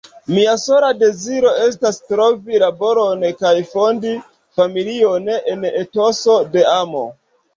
Mia sola deziro estas trovi laboron kaj fondi familion en etoso de amo.